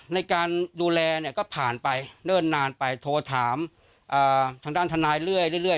ในการดูแลเนี่ยก็ผ่านไปเนิ่นนานไปโทรถามทางด้านทนายเรื่อย